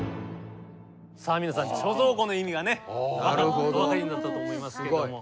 さあ皆さん貯蔵庫の意味がお分かりになったと思いますけれども。